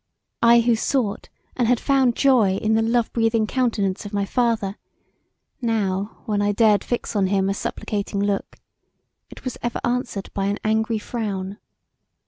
I who sought and had found joy in the love breathing countenance of my father now when I dared fix on him a supplicating look it was ever answered by an angry frown.